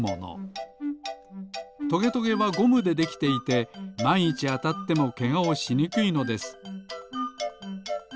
トゲトゲはゴムでできていてまんいちあたってもけがをしにくいのです。